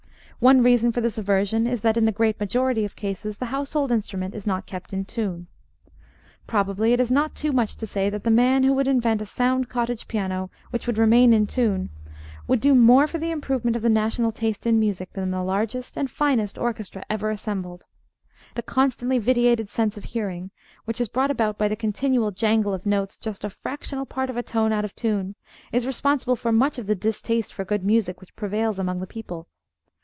One reason for this aversion is that, in the great majority of cases, the household instrument is not kept in tune. Probably it is not too much to say that the man who would invent a sound cottage piano which would remain in tune would do more for the improvement of the national taste in music than the largest and finest orchestra ever assembled. The constantly vitiated sense of hearing, which is brought about by the continual jangle of notes just a fractional part of a tone out of tune, is responsible for much of the distaste for good music which prevails among the people.